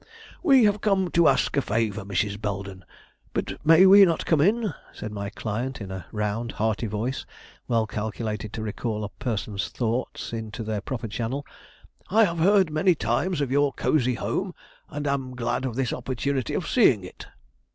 "We have come to ask a favor, Mrs. Belden; but may we not come in? "said my client in a round, hearty voice well calculated to recall a person's thoughts into their proper channel. "I have heard many times of your cosy home, and am glad of this opportunity of seeing it."